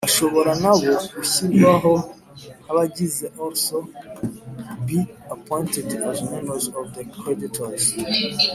bashobora na bo gushyirwaho nk abagize also be appointed as members of the creditors